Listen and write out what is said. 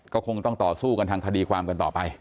ก็คงต้องต่อสู้กันทางคดีความกันต่อไป